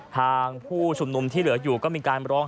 ทางผู้ชุมนุมที่เหลืออยู่ก็มีการร้อง